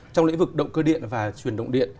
trong lĩnh vực động cơ điện và chuyển động điện